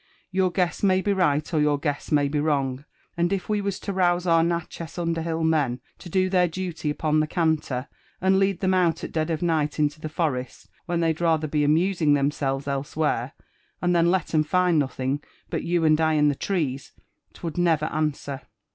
Your guess may be right, or your guess JONATHAN JEFFERSON VVHITLAW. 309 may be wrong; and if we was to rouse our Nalchez under hill men to dolheir duly upon (he canter, and lead Ihem out at dead of night into IheToresl, when they'd ralhcr be amusing themselves elsewhere, and then let 'em find nothing but you and I and the trees, I'would never answer.